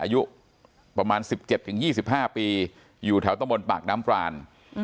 อายุประมาณ๑๗๒๕ปีอยู่แถวตะมนต์ปากน้ำปราน